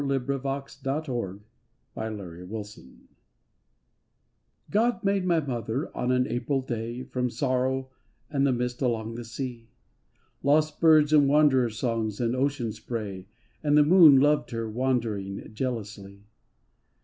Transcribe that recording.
IN HOSPITAL IN EGYPT MY MOTHER God made my mother on an April day, From sorrow and the mist along the sea, Lost birds' and wanderers' songs and ocean spray, And the moon loved her wandering jealously.